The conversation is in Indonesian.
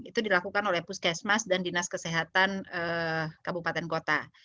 itu dilakukan oleh puskesmas dan dinas kesehatan kabupaten kota